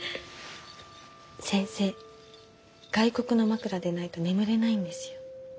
先生外国の枕でないと眠れないんですよ。